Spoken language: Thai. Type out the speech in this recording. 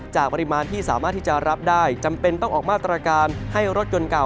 จากปริมาณที่สามารถที่จะรับได้จำเป็นต้องออกมาตรการให้รถยนต์เก่า